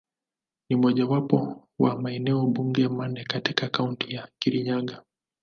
Ni mojawapo wa maeneo bunge manne katika Kaunti ya Kirinyaga.